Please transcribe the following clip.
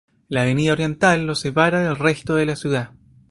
La avenida Oriental lo separa del resto de la ciudad.